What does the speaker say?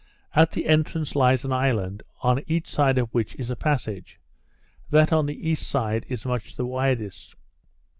At the entrance, lies an island, on each side of which is a passage; that on the east side is much the widest.